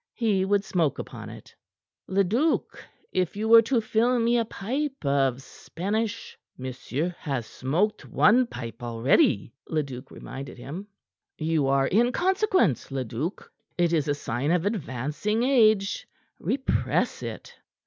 He would smoke upon it. "Leduc, if you were to fill me a pipe of Spanish " "Monsieur has smoked one pipe already," Leduc reminded him. "You are inconsequent, Leduc. It is a sign of advancing age. Repress it.